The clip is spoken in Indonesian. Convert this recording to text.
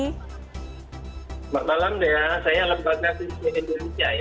selamat malam dea saya lembaga survei indonesia ya